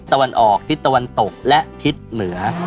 ตะวันออกตะวันตกและหนีเหนือ